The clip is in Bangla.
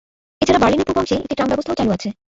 এছাড়া বার্লিনের পূর্ব অংশে একটি ট্রাম ব্যবস্থাও চালু আছে।